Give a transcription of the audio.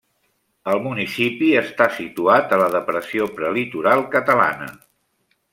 El municipi està situat a la depressió prelitoral catalana.